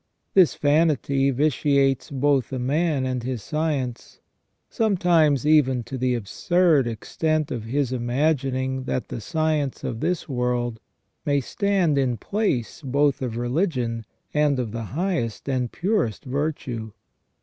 This vanity vitiates both the man and his science, sometimes even to the absurd extent of his imagining that the science of this world may stand in place both of religion and of the highest and purest virtue.